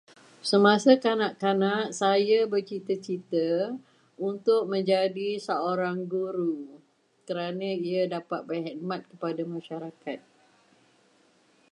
Semasa kanak-kanak, saya bercita-cita untuk menjadi seorang guru, kerana ia dapat berkhidmat kepada masyarakat.